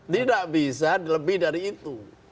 tidak bisa lebih dari itu